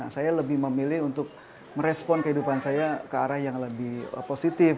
saya lebih memilih untuk merespon kehidupan saya ke arah yang lebih positif